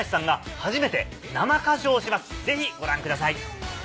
ぜひご覧ください。